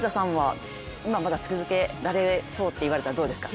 今、まだ続けられそうっていわれたどうですか？